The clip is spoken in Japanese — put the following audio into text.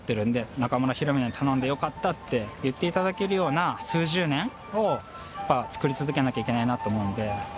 中村弘峰に頼んでよかったと言っていただけるような数十年をやっぱり作り続けなきゃいけないなと思うので。